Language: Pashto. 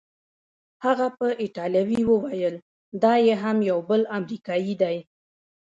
هغه په ایټالوي وویل: دا یې هم یو بل امریکايي دی.